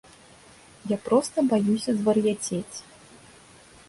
Я проста баюся звар'яцець.